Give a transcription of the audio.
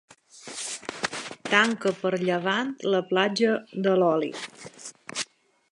Tanca per llevant la Platja de l'Oli.